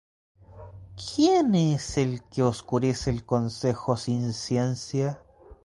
¿Quién es el que oscurece el consejo sin ciencia?